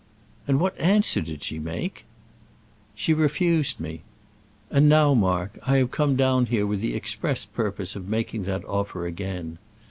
"And what answer did she make?" "She refused me. And now, Mark, I have come down here with the express purpose of making that offer again.